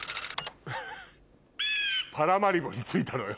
フフっパラマリボに着いたのよ。